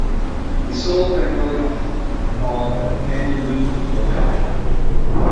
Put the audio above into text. He sold "Magnolia Hall" and the family moved to Philadelphia.